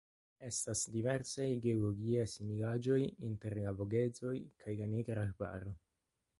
Estas diversaj geologiaj similaĵoj inter la Vogezoj kaj la Nigra Arbaro.